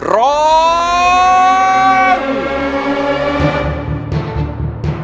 ร้อง